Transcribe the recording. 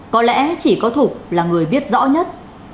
có lẽ chỉ có thục là người biết rõ nhất